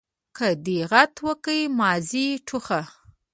که دي دېغت وکئ ماضي ټوخه.